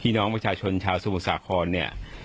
พี่น้องประชาชนชาวสู่สาครเนี่ย